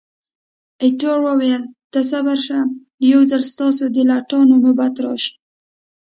ایټور وویل، ته صبر شه، یو ځلي ستاسو د لټانو نوبت راشي.